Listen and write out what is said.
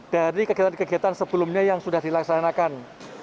dari kegiatan kegiatan sebelumnya yang sudah dilaksanakan